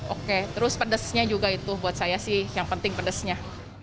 oke terus pedesnya juga itu buat saya sih yang penting pedasnya